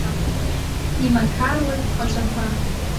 Имақаруеит аҵәақәа.